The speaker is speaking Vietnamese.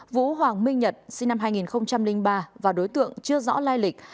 vũ hoàng minh nhật sinh năm hai nghìn ba và đối tượng chưa rõ lai lịch